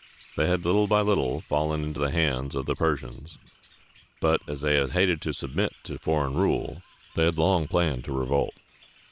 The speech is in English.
They had little by little fallen into the hands of the Persians; but, as they hated to submit to foreign rule, they had long planned a revolt.